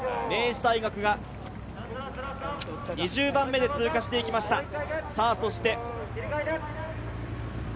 明治大学が２０番目で通過していきました。